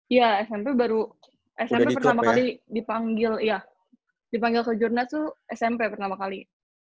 iya smp pertama kali dipanggil ke jurnas tuh smp pertama kali